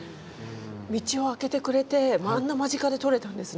道をあけてくれてあんな間近で撮れたんですね。